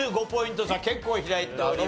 結構開いております。